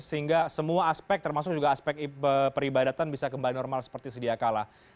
sehingga semua aspek termasuk juga aspek peribadatan bisa kembali normal seperti sedia kalah